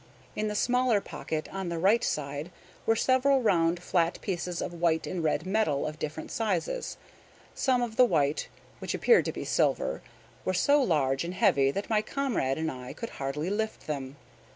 In the smaller pocket on the right side were several round flat pieces of white and red metal, of different sizes. Some of the white, which appeared to be silver, were so large and heavy that my comrade and I could hardly lift them.